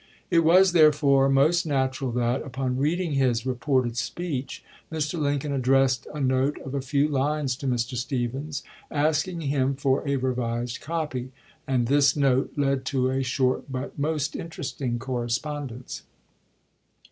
It was, therefore, most natural that, upon read ing his reported speech, Mr. Lincoln addressed a note of a few lines to Mr. Stephens, asking him for a revised copy; and this note led to a short but most interesting correspondence.